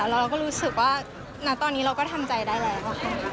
เราก็รู้สึกว่าณตอนนี้เราก็ทำใจได้แล้วค่ะ